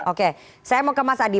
oke saya mau ke mas adi